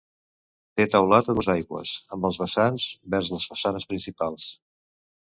Té teulat a dues aigües, amb els vessants vers les façanes principals.